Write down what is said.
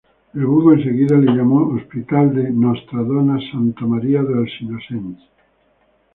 El vulgo enseguida le llamó hospital de Nostra Dona Santa Maria dels Innocents.